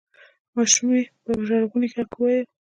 ماشومې په ژړغوني غږ وویل: